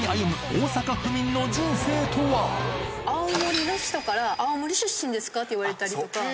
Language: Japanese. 青森の人から「青森出身ですか？」って言われたりとか。